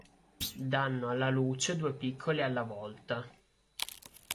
Danno alla luce due piccoli alla volta.